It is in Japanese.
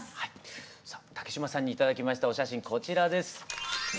さあ竹島さんに頂きましたお写真こちらです。